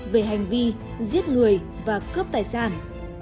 về hành vi giết người và cướp tài sản